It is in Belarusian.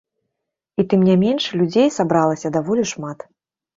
І тым не менш, людзей сабралася даволі шмат.